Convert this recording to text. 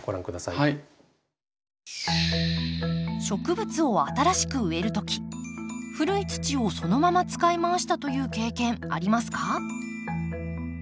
植物を新しく植える時古い土をそのまま使いまわしたという経験ありますか？